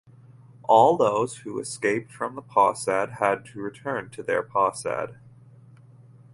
All those who escaped from the posad had to return to their posad.